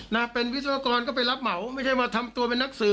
นะเป็นวิศวกรก็ไปรับเหมาไม่ใช่มาทำตัวเป็นนักสื่อ